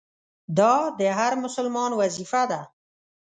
دا د هر مسلمان وظیفه ده.